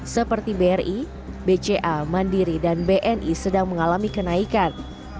seperti bri bca mandiri dan bni sedang mengalami kenaikan